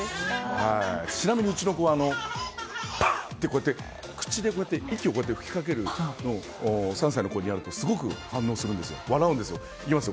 ちなみにうちの子はパッと口で息を吹きかけるのを３歳の子にやるとすごく反応するんですよ。いきますよ。